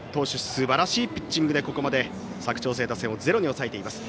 すばらしいピッチングでここまで佐久長聖打線をゼロに抑えています。